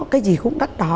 cái gì cũng đắt đó